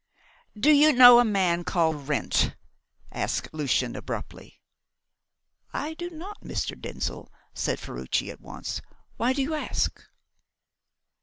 "Do you know a man called Wrent?" asked Lucian abruptly. "I do not, Mr. Denzil," said Ferruci at once. "Why do you ask?"